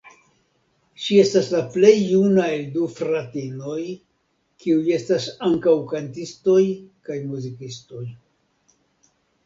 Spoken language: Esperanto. Ŝi estas la plej juna el du fratinoj, kiuj estas ankaŭ kantistoj kaj muzikistoj.